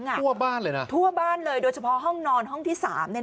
ทั่วบ้านเลยนะทั่วบ้านเลยโดยเฉพาะห้องนอนห้องที่๓